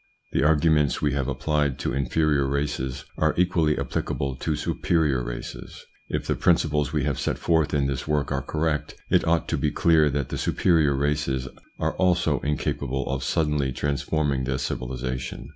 The arguments we have applied to inferior races are equally applicable to superior races. If the principles we have set forth in this work are correct, it ought to be clear that the superior races are also incapable of suddenly transforming their civilisation.